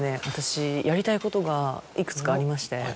私やりたいことがいくつかありまして。